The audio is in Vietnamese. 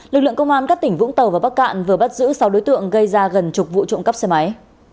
lực lượng công an các tỉnh vũng tàu và bắc cạn vừa bắt giữ sáu đối tượng gây ra gần chục vụ trộm cắp xe máy